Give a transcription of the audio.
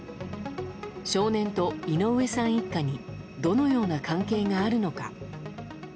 少年と井上さん一家にどのような関係があるのか。